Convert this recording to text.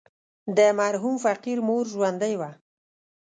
د مرحوم فقير مور ژوندۍ وه.